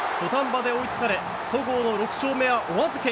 土壇場で追いつかれ戸郷の６勝目は、おあずけ。